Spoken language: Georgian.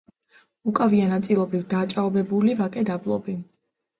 უკავია ნაწილობრივ დაჭაობებული ვაკე-დაბლობი.